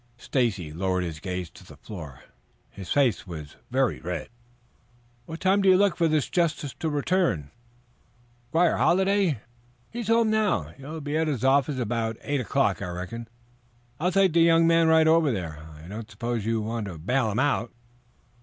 Stacy lowered his gaze to the floor. His face was very red. "What time do you look for the justice to return?" "Squire Halliday? He's home now. He will be at his office about eight o'clock, I reckon. I'll take the young man right over. I don't suppose you want to bail him out?"